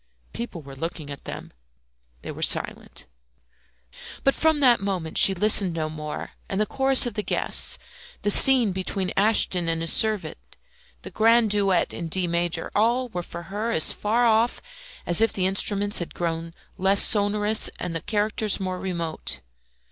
People were looking at them. They were silent. But from that moment she listened no more; and the chorus of the guests, the scene between Ashton and his servant, the grand duet in D major, all were for her as far off as if the instruments had grown less sonorous and the characters more remote.